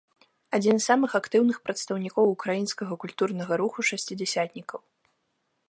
Адзін з самых актыўных прадстаўнікоў украінскага культурнага руху шасцідзясятнікаў.